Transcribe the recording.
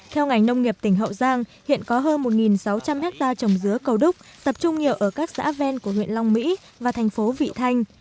theo ngành nông nghiệp tỉnh hậu giang hiện có hơn một sáu trăm linh hectare trồng dứa cầu đúc tập trung nhiều ở các xã ven của huyện long mỹ và thành phố vị thanh